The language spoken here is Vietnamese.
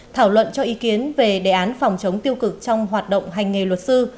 thảo luận cho ý kiến về đề án phòng chống tiêu cực trong hoạt động hành nghề luật sư